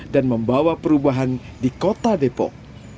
dan membawa perubahan di kota depok